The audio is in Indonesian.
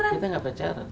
kita nggak pacaran